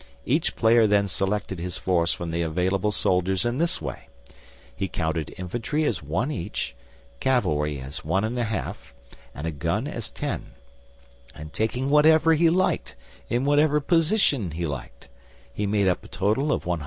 Each player then selected his force from the available soldiers in this way: he counted infantry as 1 each, cavalry as 1 1/2, and a gun as 10, and, taking whatever he liked in whatever position he liked, he made up a total of 150.